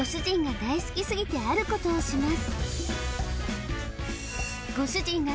大好きすぎてあることをします